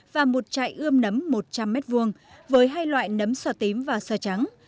và một chạy ươm nấm một trăm linh m hai với hai loại nấm sò tím và sơ trắng